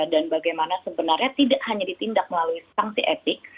dan bagaimana sebenarnya tidak hanya ditindak melalui sanksi etik